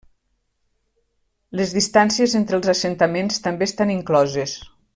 Les distàncies entre els assentaments també estan incloses.